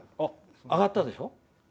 上がったでしょ？